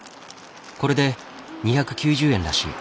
これで２９０円らしい。